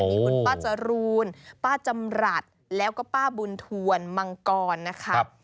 มีคุณป้าจรูนป้าจำรัฐแล้วก็ป้าบุญทวนมังกรนะครับ